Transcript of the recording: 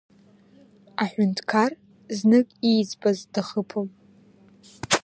Аҳәынҭқар знык ииӡбаз дахыԥом.